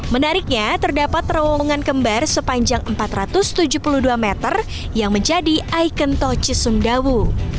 menariknya terdapat terowongan kembar sepanjang empat ratus tujuh puluh dua meter yang menjadi ikon tol cisumdawu